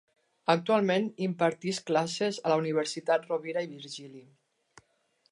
Actualment imparteix classes a la Universitat Rovira i Virgili.